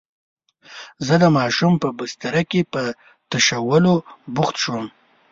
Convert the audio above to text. زه د ماشوم په بستره کې په تشولو بوخت شوم.